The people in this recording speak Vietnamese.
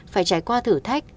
phải trải qua thử thách